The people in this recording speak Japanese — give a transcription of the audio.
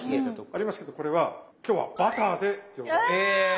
ありますけどこれは今日はバターで餃子を焼きます。